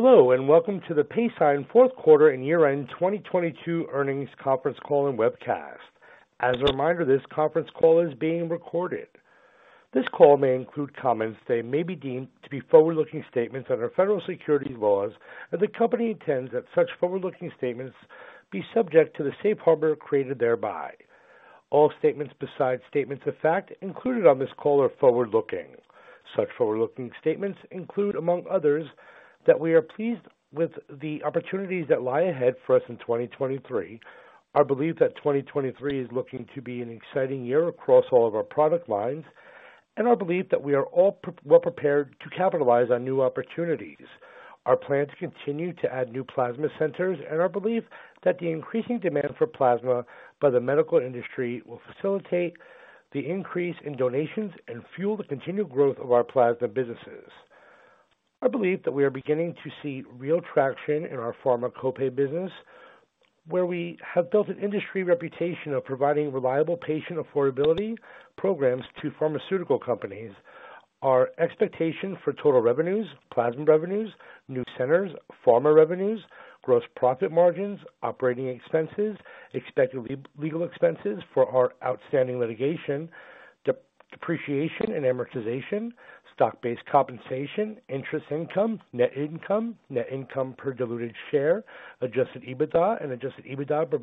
Welcome to the Paysign fourth quarter and year-end 2022 earnings conference call and webcast. As a reminder, this conference call is being recorded. This call may include comments that may be deemed to be forward-looking statements under federal securities laws. The company intends that such forward-looking statements be subject to the safe harbor created thereby. All statements besides statements of fact included on this call are forward-looking. Such forward-looking statements include, among others, that we are pleased with the opportunities that lie ahead for us in 2023, our belief that 2023 is looking to be an exciting year across all of our product lines, and our belief that we are all well prepared to capitalize on new opportunities. Our plan to continue to add new plasma centers and our belief that the increasing demand for plasma by the medical industry will facilitate the increase in donations and fuel the continued growth of our plasma businesses. Our belief that we are beginning to see real traction in our pharma copay business, where we have built an industry reputation of providing reliable patient affordability programs to pharmaceutical companies. Our expectation for total revenues, plasma revenues, new centers, pharma revenues, gross profit margins, operating expenses, expected legal expenses for our outstanding litigation, depreciation and amortization, stock-based compensation, interest income, net income, net income per diluted share, adjusted EBITDA and adjusted EBITDA per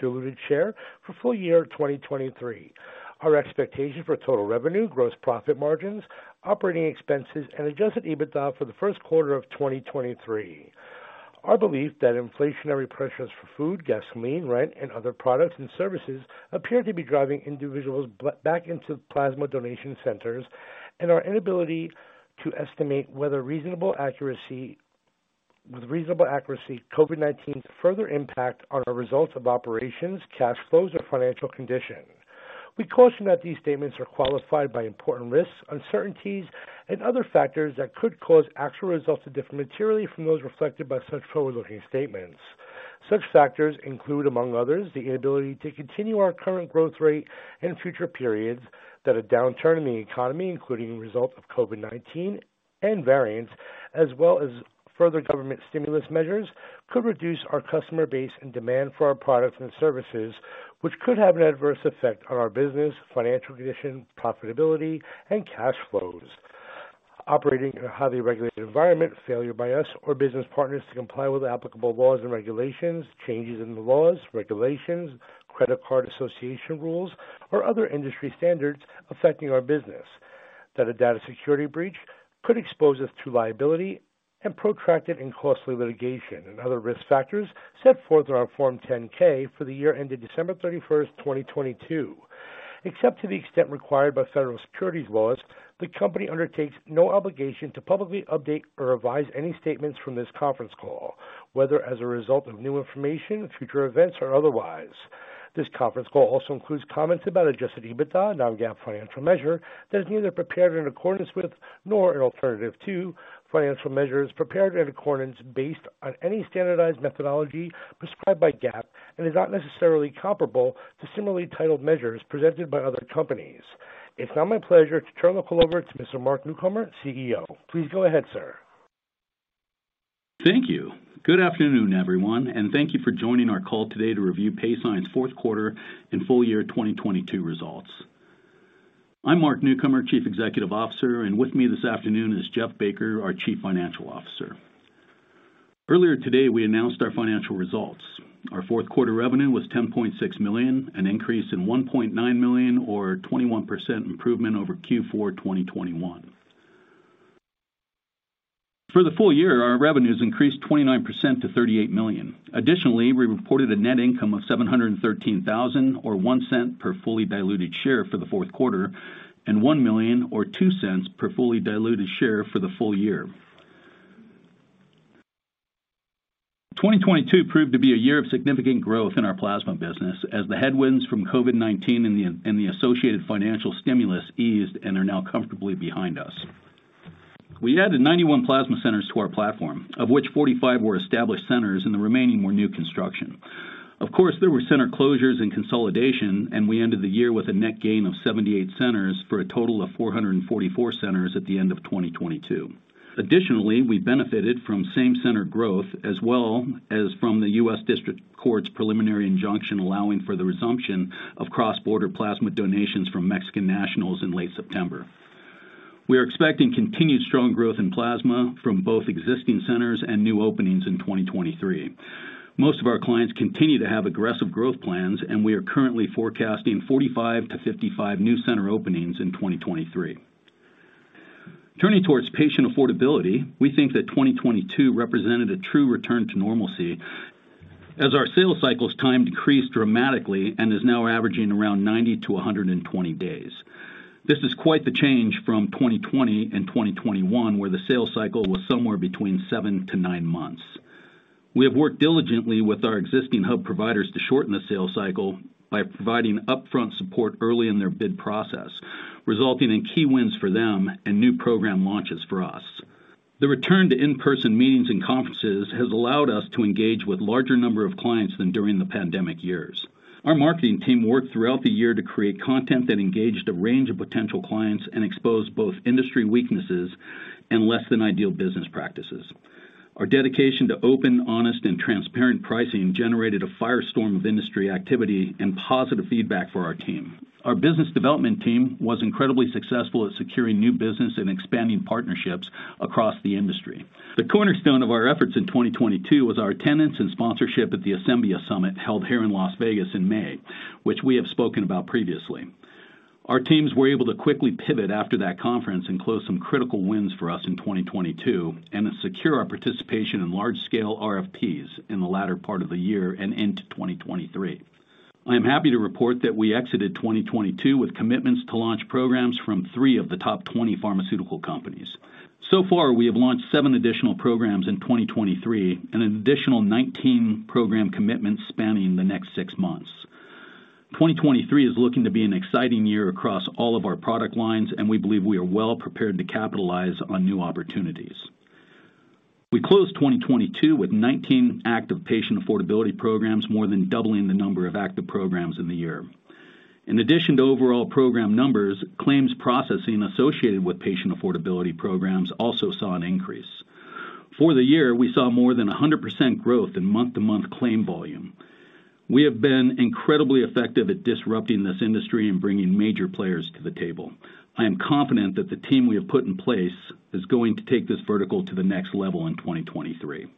diluted share for full year 2023. Our expectation for total revenue, gross profit margins, operating expenses, and adjusted EBITDA for the first quarter of 2023. Our belief that inflationary pressures for food, gasoline, rent, and other products and services appear to be driving individuals back into plasma donation centers, and our inability to estimate with reasonable accuracy COVID-19's further impact on our results of operations, cash flows, or financial condition. We caution that these statements are qualified by important risks, uncertainties, and other factors that could cause actual results to differ materially from those reflected by such forward-looking statements. Such factors include, among others, the inability to continue our current growth rate in future periods that a downturn in the economy, including the result of COVID-19 and variants, as well as further government stimulus measures, could reduce our customer base and demand for our products and services, which could have an adverse effect on our business, financial condition, profitability, and cash flows. Operating in a highly regulated environment, failure by us or business partners to comply with applicable laws and regulations, changes in the laws, regulations, credit card association rules or other industry standards affecting our business that a data security breach could expose us to liability and protracted and costly litigation and other risk factors set forth on our Form 10-K for the year ended December 31st, 2022. Except to the extent required by federal securities laws, the company undertakes no obligation to publicly update or revise any statements from this conference call, whether as a result of new information, future events, or otherwise. This conference call also includes comments about adjusted EBITDA, a non-GAAP financial measure that is neither prepared in accordance with nor an alternative to financial measures prepared in accordance based on any standardized methodology prescribed by GAAP and is not necessarily comparable to similarly titled measures presented by other companies. It's now my pleasure to turn the call over to Mr. Mark Newcomer, CEO. Please go ahead, sir. Thank you. Good afternoon, everyone, and thank you for joining our call today to review Paysign's fourth quarter and full year 2022 results. I'm Mark Newcomer, Chief Executive Officer, and with me this afternoon is Jeff Baker, our Chief Financial Officer. Earlier today, we announced our financial results. Our fourth quarter revenue was $10.6 million, an increase in $1.9 million or 21% improvement over Q4 2021. For the full year, our revenues increased 29% to $38 million. Additionally, we reported a net income of $713,000 or $0.01 per fully diluted share for the fourth quarter and $1 million or $0.02 per fully diluted share for the full year. 2022 proved to be a year of significant growth in our plasma business as the headwinds from COVID-19 and the associated financial stimulus eased and are now comfortably behind us. We added 91 plasma centers to our platform, of which 45 were established centers and the remaining were new construction. Of course, there were center closures and consolidation, and we ended the year with a net gain of 78 centers for a total of 444 centers at the end of 2022. Additionally, we benefited from same center growth as well as from the U.S District Court's preliminary injunction allowing for the resumption of cross-border plasma donations from Mexican nationals in late September. We are expecting continued strong growth in plasma from both existing centers and new openings in 2023. Most of our clients continue to have aggressive growth plans and we are currently forecasting 45-55 new center openings in 2023. Turning towards patient affordability, we think that 2022 represented a true return to normalcy as our sales cycles time decreased dramatically and is now averaging around 90-120 days. This is quite the change from 2020 and 2021, where the sales cycle was somewhere between 7-9 months. We have worked diligently with our existing hub providers to shorten the sales cycle by providing upfront support early in their bid process, resulting in key wins for them and new program launches for us. The return to in-person meetings and conferences has allowed us to engage with larger number of clients than during the pandemic years. Our marketing team worked throughout the year to create content that engaged a range of potential clients and exposed both industry weaknesses and less than ideal business practices. Our dedication to open, honest, and transparent pricing generated a firestorm of industry activity and positive feedback for our team. Our business development team was incredibly successful at securing new business and expanding partnerships across the industry. The cornerstone of our efforts in 2022 was our attendance and sponsorship at the Asembia's Summit held here in Las Vegas in May, which we have spoken about previously. Our teams were able to quickly pivot after that conference and close some critical wins for us in 2022, and then secure our participation in large scale RFPs in the latter part of the year and into 2023. I am happy to report that we exited 2022 with commitments to launch programs from 3 of the top 20 pharmaceutical companies. So far, we have launched 7 additional programs in 2023 and an additional 19 program commitments spanning the next 6 months. 2023 is looking to be an exciting year across all of our product lines, and we believe we are well-prepared to capitalize on new opportunities. We closed 2022 with 19 active patient affordability programs, more than doubling the number of active programs in the year. In addition to overall program numbers, claims processing associated with patient affordability programs also saw an increase. For the year, we saw more than 100% growth in month-to-month claim volume. We have been incredibly effective at disrupting this industry and bringing major players to the table. I am confident that the team we have put in place is going to take this vertical to the next level in 2023.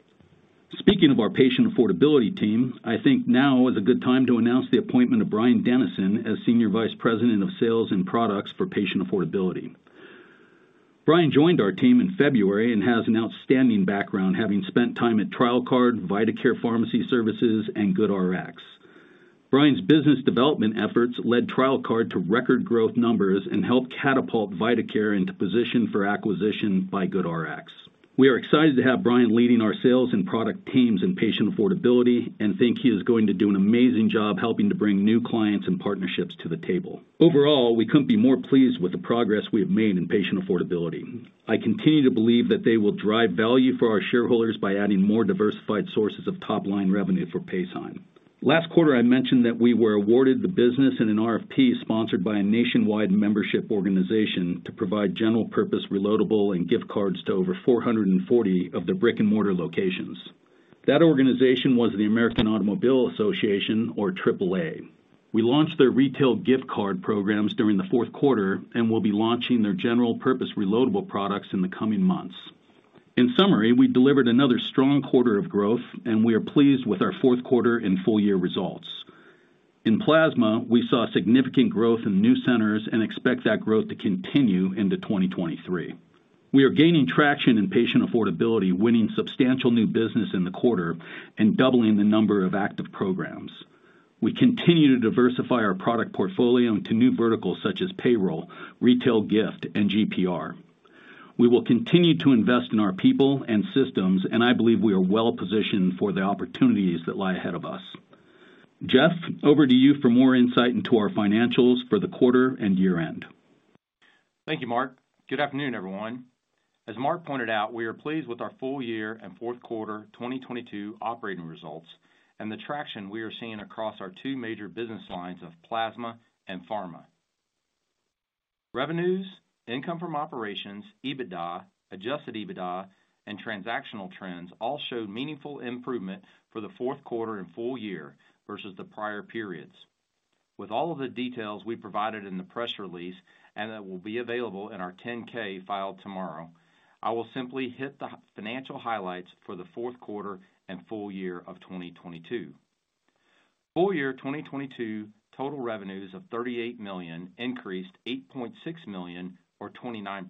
Speaking of our patient affordability team, I think now is a good time to announce the appointment of Bryan Dennison as Senior Vice President of Sales and Products for patient affordability. Bryan joined our team in February and has an outstanding background, having spent time at TrialCard, vitaCare Prescription Services, and GoodRx. Bryan's business development efforts led TrialCard to record growth numbers and helped catapult vitaCare into position for acquisition by GoodRx. We are excited to have Bryan leading our sales and product teams in patient affordability and think he is going to do an amazing job helping to bring new clients and partnerships to the table. Overall, we couldn't be more pleased with the progress we have made in patient affordability. I continue to believe that they will drive value for our shareholders by adding more diversified sources of top-line revenue for Paysign. Last quarter, I mentioned that we were awarded the business in an RFP sponsored by a nationwide membership organization to provide general purpose reloadable and gift cards to over 440 of their brick-and-mortar locations. That organization was the American Automobile Association or AAA. We launched their retail gift card programs during the fourth quarter and will be launching their general purpose reloadable products in the coming months. In summary, we delivered another strong quarter of growth, and we are pleased with our fourth quarter and full year results. In plasma, we saw significant growth in new centers and expect that growth to continue into 2023. We are gaining traction in patient affordability, winning substantial new business in the quarter and doubling the number of active programs. We continue to diversify our product portfolio into new verticals such as payroll, retail gift, and GPR. We will continue to invest in our people and systems, and I believe we are well-positioned for the opportunities that lie ahead of us. Jeff, over to you for more insight into our financials for the quarter and year-end. Thank you, Mark. Good afternoon, everyone. As Mark pointed out, we are pleased with our full year and fourth quarter 2022 operating results and the traction we are seeing across our two major business lines of plasma and pharma. Revenues, income from operations, EBITDA, adjusted EBITDA, and transactional trends all showed meaningful improvement for the fourth quarter and full year versus the prior periods. With all of the details we provided in the press release, and that will be available in our 10-K filed tomorrow, I will simply hit the financial highlights for the fourth quarter and full year of 2022. Full year 2022 total revenues of $38 million increased $8.6 million or 29%.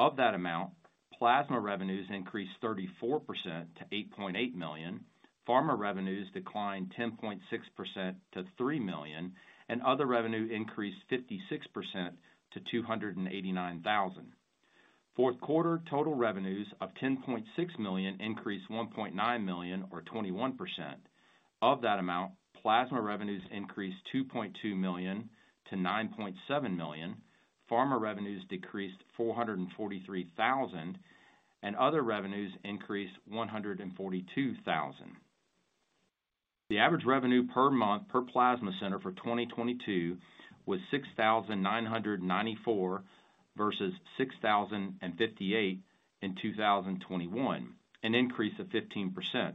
Of that amount, plasma revenues increased 34% to $8.8 million, pharma revenues declined 10.6% to $3 million, and other revenue increased 56% to $289,000. fourth quarter total revenues of $10.6 million increased $1.9 million or 21%. Of that amount, plasma revenues increased $2.2 million to $9.7 million, pharma revenues decreased $443,000, and other revenues increased $142,000. The average revenue per month per plasma center for 2022 was $6,994 versus $6,058 in 2021, an increase of 15%.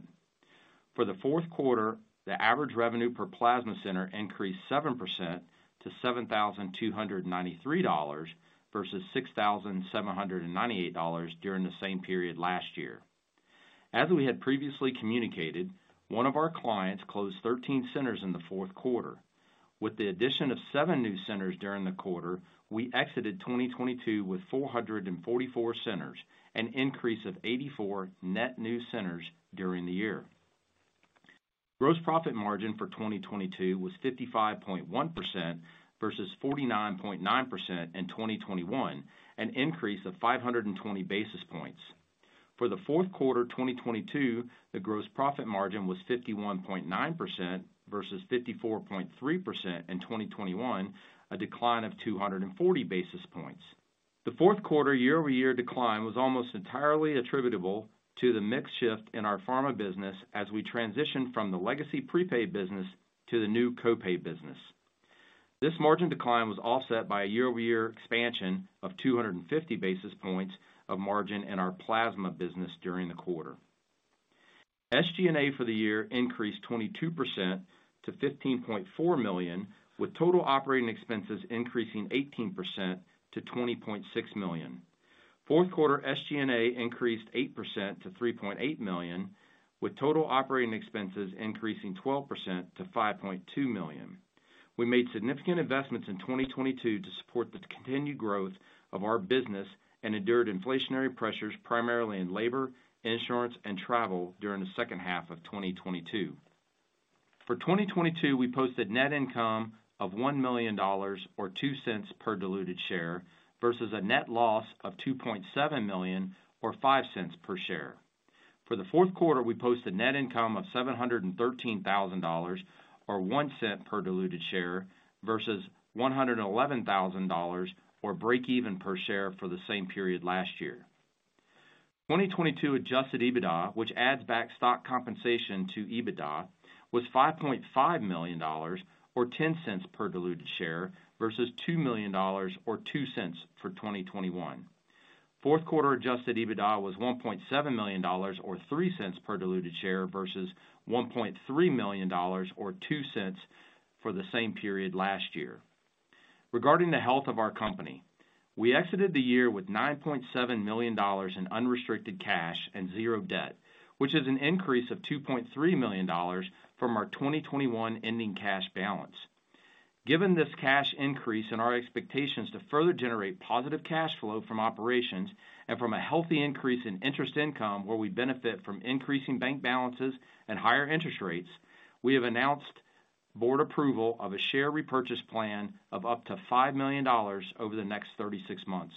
For the fourth quarter, the average revenue per plasma center increased 7% to $7,293 versus $6,798 during the same period last year. As we had previously communicated, one of our clients closed 13 centers in the fourth quarter. With the addition of 7 new centers during the quarter, we exited 2022 with 444 centers, an increase of 84 net new centers during the year. Gross profit margin for 2022 was 55.1% versus 49.9% in 2021, an increase of 520 basis points. For the fourth quarter 2022, the gross profit margin was 51.9% versus 54.3% in 2021, a decline of 240 basis points. The fourth quarter year-over-year decline was almost entirely attributable to the mix shift in our pharma business as we transition from the legacy prepaid business to the new copay business. This margin decline was offset by a year-over-year expansion of 250 basis points of margin in our plasma business during the quarter. SG&A for the year increased 22% to $15.4 million, with total operating expenses increasing 18% to $20.6 million. Fourth quarter SG&A increased 8% to $3.8 million, with total operating expenses increasing 12% to $5.2 million. We made significant investments in 2022 to support the continued growth of our business and endured inflationary pressures primarily in labor, insurance, and travel during the second half of 2022. For 2022, we posted net income of $1 million or $0.02 per diluted share versus a net loss of $2.7 million or $0.05 per share. For the fourth quarter, we posted net income of $713,000 or $0.01 per diluted share versus $111,000 or break even per share for the same period last year. 2022 adjusted EBITDA, which adds back stock compensation to EBITDA, was $5.5 million or $0.10 per diluted share versus $2 million or $0.02 for 2021. Fourth quarter adjusted EBITDA was $1.7 million or $0.03 per diluted share versus $1.3 million or $0.02 for the same period last year. Regarding the health of our company, we exited the year with $9.7 million in unrestricted cash and 0 debt, which is an increase of $2.3 million from our 2021 ending cash balance. Given this cash increase and our expectations to further generate positive cash flow from operations and from a healthy increase in interest income where we benefit from increasing bank balances and higher interest rates, we have announced board approval of a share repurchase plan of up to $5 million over the next 36 months.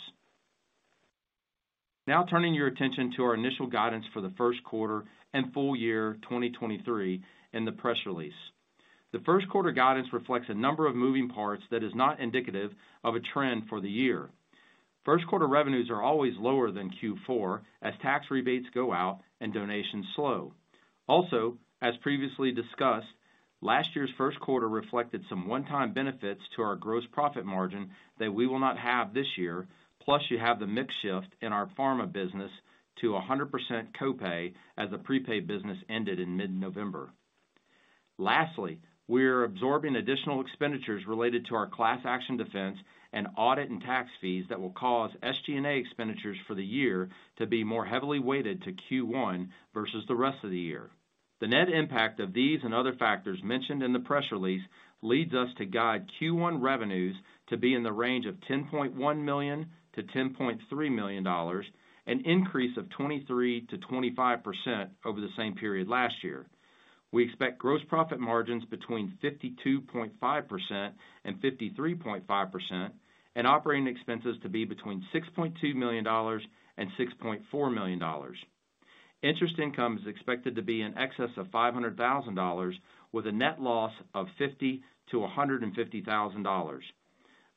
Turning your attention to our initial guidance for the first quarter and full year 2023 in the press release. The first quarter guidance reflects a number of moving parts that is not indicative of a trend for the year. First quarter revenues are always lower than Q4 as tax rebates go out and donations slow. Also, as previously discussed, last year's first quarter reflected some one-time benefits to our gross profit margin that we will not have this year. Plus you have the mix shift in our pharma business to 100% copay as the prepaid business ended in mid-November. Lastly, we are absorbing additional expenditures related to our class action defense and audit and tax fees that will cause SG&A expenditures for the year to be more heavily weighted to Q1 versus the rest of the year. The net impact of these and other factors mentioned in the press release leads us to guide Q1 revenues to be in the range of $10.1 million-$10.3 million, an increase of 23%-25% over the same period last year. We expect gross profit margins between 52.5% and 53.5% and operating expenses to be between $6.2 million and $6.4 million. Interest income is expected to be in excess of $500,000 with a net loss of $50,000-$150,000.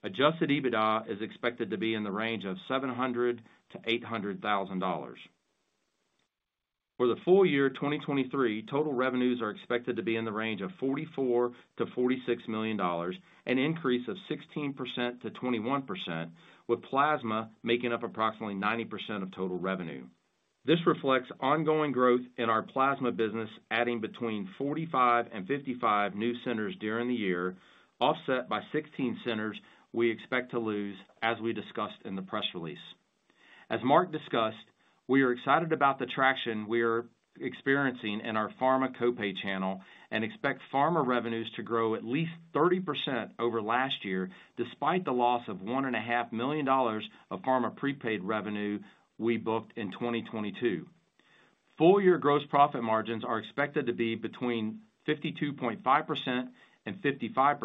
Adjusted EBITDA is expected to be in the range of $700,000-$800,000. For the full year 2023, total revenues are expected to be in the range of $44 million-$46 million, an increase of 16%-21%, with plasma making up approximately 90% of total revenue. This reflects ongoing growth in our plasma business, adding between 45 and 55 new centers during the year, offset by 16 centers we expect to lose, as we discussed in the press release. As Mark discussed, we are excited about the traction we are experiencing in our pharma copay channel and expect pharma revenues to grow at least 30% over last year, despite the loss of one and a half million dollars of pharma prepaid revenue we booked in 2022. Full year gross profit margins are expected to be between 52.5% and 55%,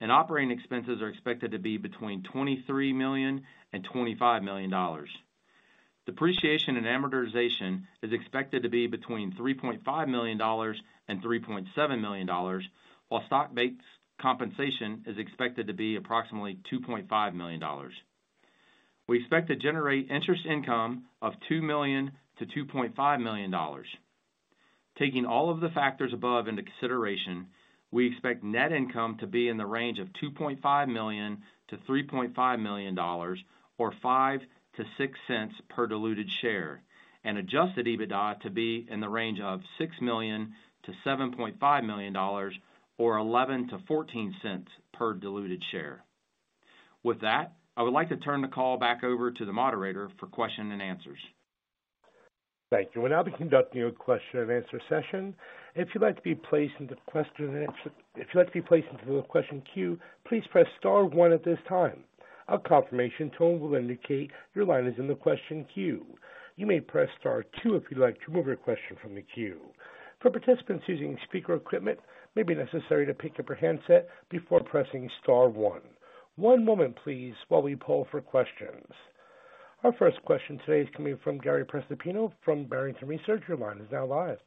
and operating expenses are expected to be between $23 million and $25 million. Depreciation and amortization is expected to be between $3.5 million and $3.7 million, while stock-based compensation is expected to be approximately $2.5 million. We expect to generate interest income of $2 million-$2.5 million. Taking all of the factors above into consideration, we expect net income to be in the range of $2.5 million-$3.5 million or 5 to 6 cents per diluted share and adjusted EBITDA to be in the range of $6 million-$7.5 million or 11 to 14 cents per diluted share. With that, I would like to turn the call back over to the moderator for question and answers. Thank you. We'll now be conducting a question and answer session. If you'd like to be placed into the question queue, please press star one at this time. A confirmation tone will indicate your line is in the question queue. You may press star two if you'd like to remove your question from the queue. For participants using speaker equipment, it may be necessary to pick up your handset before pressing star one. One moment, please, while we pull for questions. Our first question today is coming from Gary Prestopino from Barrington Research. Your line is now live.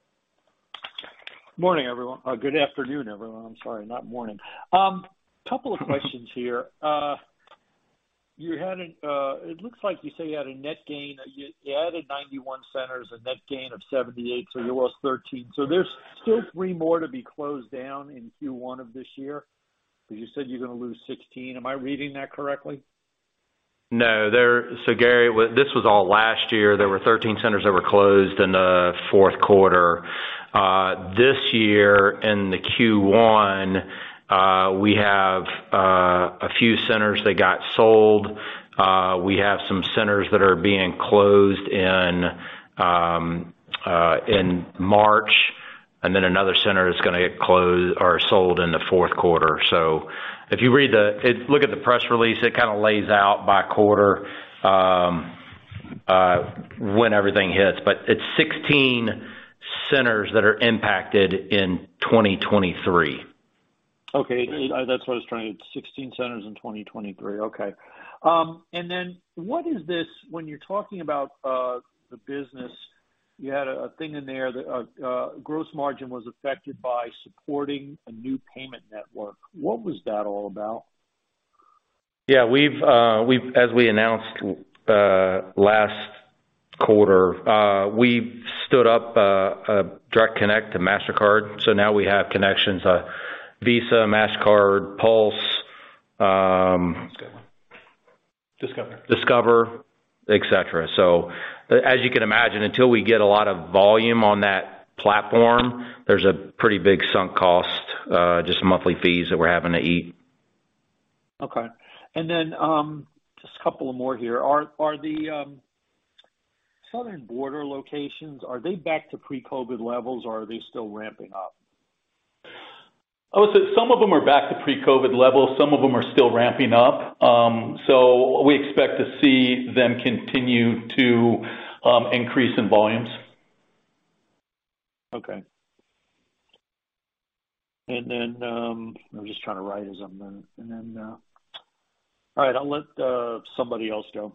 Morning, everyone. Good afternoon, everyone. I'm sorry, not morning. Couple of questions here. You had a net gain. You added 91 centers, a net gain of 78, so you lost 13. There's still 3 more to be closed down in Q1 of this year, you said you're gonna lose 16. Am I reading that correctly? No. There Gary Prestopino, this was all last year. There were 13 centers that were closed in the fourth quarter. This year in the Q1, we have a few centers that got sold. We have some centers that are being closed in March, and then another center is gonna get closed or sold in the fourth quarter. If you read the look at the press release, it kinda lays out by quarter when everything hits. It's 16 centers that are impacted in 2023. Okay. That's what I was trying to get. 16 centers in 2023. Okay. Then what is this, when you're talking about the business, you had a thing in there that gross margin was affected by supporting a new payment network. What was that all about? We've as we announced, last quarter, we stood up, a direct connect to Mastercard. Now we have connections, Visa, Mastercard, PULSE. Discover. Discover, et cetera. As you can imagine, until we get a lot of volume on that platform, there's a pretty big sunk cost, just monthly fees that we're having to eat. Okay. Just a couple of more here. Are the southern border locations, are they back to pre-COVID levels or are they still ramping up? I would say some of them are back to pre-COVID levels, some of them are still ramping up. We expect to see them continue to increase in volumes. Okay. I'm just trying to write as I'm gonna. All right, I'll let somebody else go.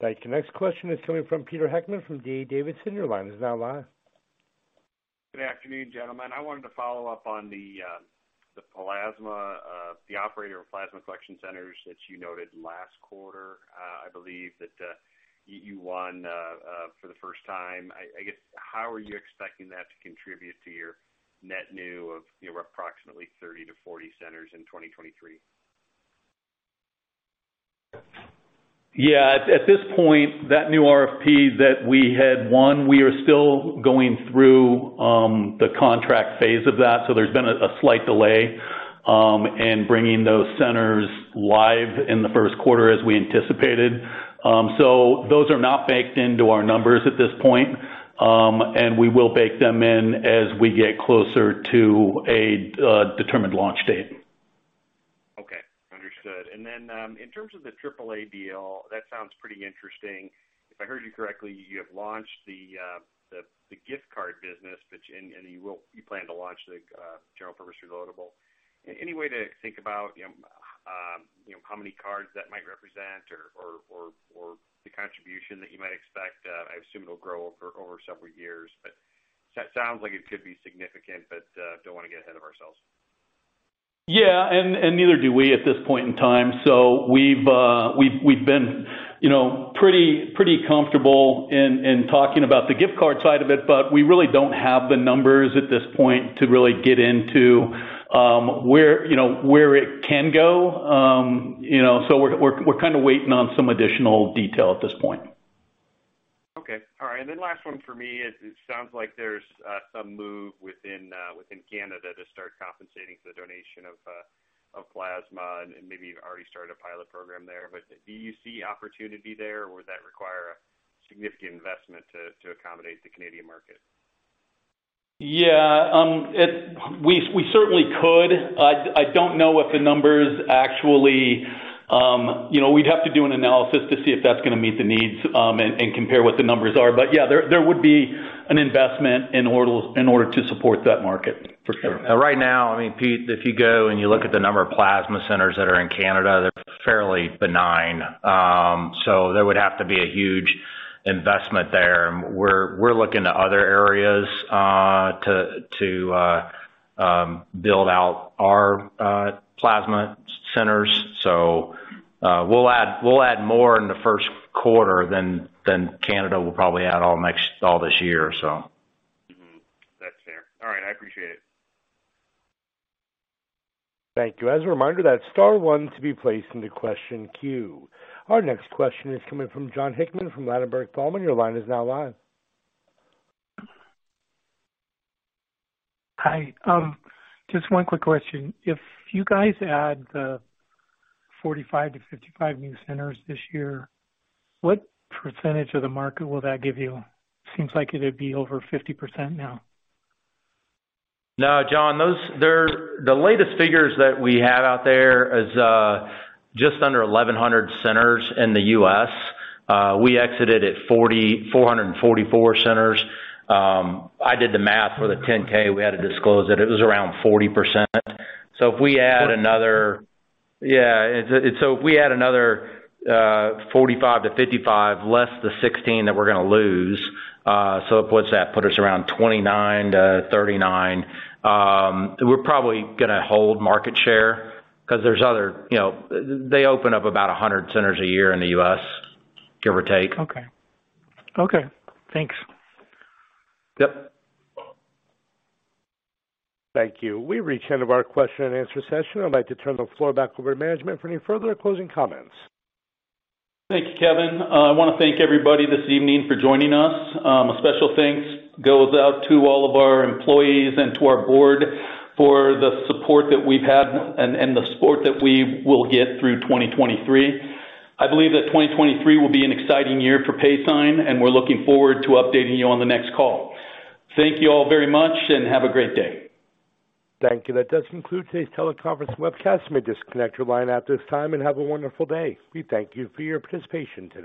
Thank you. Next question is coming from Peter Heckmann from D.A. Davidson. Your line is now live. Good afternoon, gentlemen. I wanted to follow up on the plasma, the operator of plasma collection centers that you noted last quarter. I believe that you won for the first time. I guess, how are you expecting that to contribute to your net new of, you know, approximately 30-40 centers in 2023? At this point, that new RFP that we had won, we are still going through the contract phase of that, so there's been a slight delay in bringing those centers live in the first quarter as we anticipated. Those are not baked into our numbers at this point, and we will bake them in as we get closer to a determined launch date. Okay. Understood. Then, in terms of the AAA deal, that sounds pretty interesting. If I heard you correctly, you have launched the gift card business, which... You plan to launch the general purpose reloadable. Any way to think about, you know, how many cards that might represent or the contribution that you might expect? I assume it'll grow over several years, but sounds like it could be significant, but don't wanna get ahead of ourselves. Yeah. Neither do we at this point in time. We've been, you know, pretty comfortable in talking about the gift card side of it, but we really don't have the numbers at this point to really get into, where, you know, where it can go. You know, we're kinda waiting on some additional detail at this point. Okay. All right. Last one for me. It sounds like there's some move within within Canada to start compensating for the donation of plasma, and maybe you've already started a pilot program there. Do you see opportunity there or would that require a significant investment to accommodate the Canadian market? Yeah. We certainly could. I don't know what the numbers actually. You know, we'd have to do an analysis to see if that's gonna meet the needs, and compare what the numbers are. Yeah, there would be an investment in order to support that market for sure. Right now, I mean, Pete, if you go and you look at the number of plasma centers that are in Canada, they're fairly benign. There would have to be a huge investment there. We're looking to other areas to build out our plasma centers. We'll add more in the first quarter than Canada will probably add all this year. Mm-hmm. That's fair. All right. I appreciate it. Thank you. As a reminder, that's star one to be placed into question queue. Our next question is coming from Jon Hickman from Ladenburg Thalmann. Your line is now live. Hi. Just one quick question. If you guys add the 45 to 55 new centers this year, what percentage of the market will that give you? Seems like it'd be over 50% now. No, Jon. The latest figures that we have out there is just under 1,100 centers in the U.S. We exited at 444 centers. I did the math for the 10-K, we had to disclose it. It was around 40%. If we add another 45-55, less the 16 that we're gonna lose, so what's that? Put us around 29-39. We're probably gonna hold market share 'cause there's other, you know. They open up about 100 centers a year in the U.S., give or take. Okay. Okay. Thanks. Yep. Thank you. We've reached the end of our question and answer session. I'd like to turn the floor back over to management for any further closing comments. Thank you, Kevin. I wanna thank everybody this evening for joining us. A special thanks goes out to all of our employees and to our board for the support that we've had and the support that we will get through 2023. I believe that 2023 will be an exciting year for Paysign, and we're looking forward to updating you on the next call. Thank you all very much and have a great day. Thank you. That does conclude today's teleconference webcast. You may disconnect your line at this time and have a wonderful day. We thank you for your participation today.